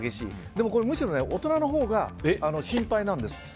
でも、むしろ大人のほうが心配なんです。